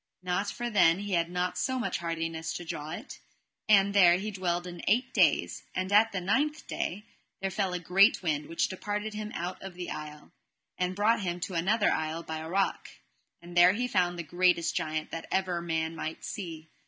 Not for then he had not so much hardiness to draw it; and there he dwelled an eight days, and at the ninth day there fell a great wind which departed him out of the isle, and brought him to another isle by a rock, and there he found the greatest giant that ever man might see.